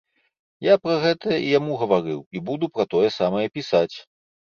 Я пра гэта і яму гаварыў і буду пра тое самае пісаць.